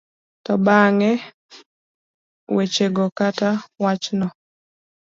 To bang'e, wechego kata wachno